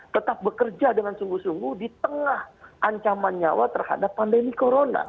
tetap bekerja dengan sungguh sungguh di tengah ancaman nyawa terhadap pandemi corona